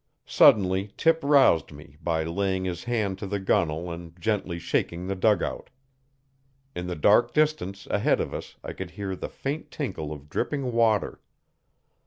Suddenly Tip roused me by laying his hand to the gunwale and gently shaking the dugout. In the dark distance, ahead of us, I could hear the faint tinkle of dripping water.